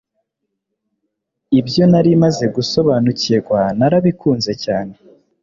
Ibyo nari maze gusobanukirwa narabikunze cyane